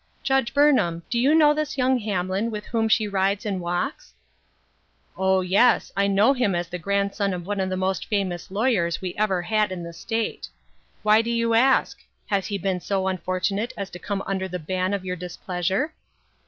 Judge Burnham, do you know this young Hamlin with whom she rides and walks ?" "O, yes! I know him as the grandson of one of the most famous lawyers wc ever had in the 60 " FOREWARNED " AND " FOREARMED." State. Why do you ask ? Has he been so un fortunate as to come under the ban of your displeasure